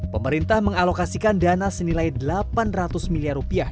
pemerintah mengalokasikan dana senilai delapan ratus miliar rupiah